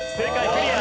クリア。